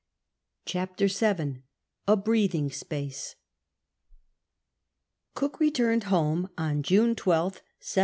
G CHAPTER VII A BREATHING SPACE Cook returned home on June 12th, 1771.